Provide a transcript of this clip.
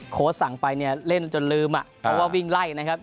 สั่งไปเนี่ยเล่นจนลืมอ่ะเพราะว่าวิ่งไล่นะครับ